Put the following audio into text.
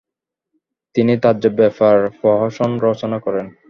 তিনি তাজ্জব ব্যাপার প্রহসন রচনা করেন।